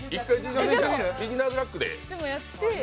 ビギナーズラックで。